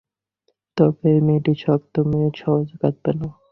তবে এই মেয়েটি শক্ত মেয়ে, সহজে কাঁদবে না।